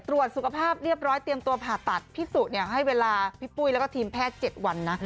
ตรวจสุขภาพเรียบร้อยเตรียมตัวผ่าตัดพี่สุให้เวลาพี่ปุ้ยแล้วก็ทีมแพทย์๗วันนะ